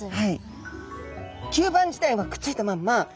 吸盤自体はくっついたまんま